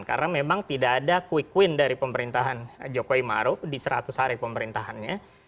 karena memang tidak ada quick win dari pemerintahan jokowi maruf di seratus hari pemerintahannya